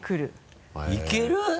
いける？